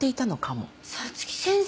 早月先生。